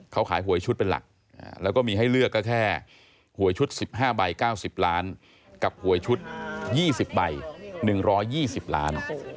เขาขายหวยชุดเป็นหลักแล้วก็มีให้เลือกก็แค่หวยชุด๑๕ใบ๙๐ล้านกับหวยชุด๒๐ใบ๑๒๐ล้าน